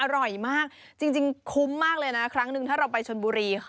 อร่อยมากจริงคุ้มมากเลยนะครั้งหนึ่งถ้าเราไปชนบุรี